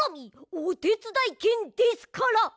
おてつだいけんですから！